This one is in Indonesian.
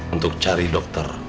untuk cari dokter